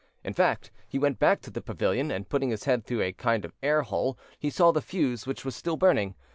In fact, he went back to the pavilion, and, putting his head through a kind of air hole, he saw the fuse, which was still burning.